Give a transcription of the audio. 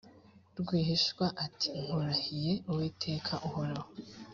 rwihishwa ati nkurahiye uwiteka uhoraho